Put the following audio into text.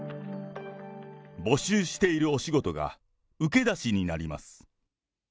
募集しているお仕事が受け出しになります。